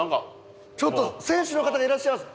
ちょっと選手の方がいらっしゃいます！